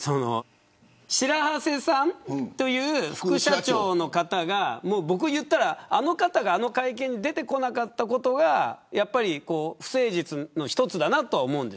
白波瀬さんという副社長の方があの方が、あの会見に出てこなかったことが不誠実の一つだなと思うんです。